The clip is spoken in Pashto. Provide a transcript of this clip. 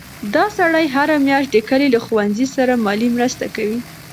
دا سړی هره میاشت د کلي له ښوونځي سره مالي مرسته کوي.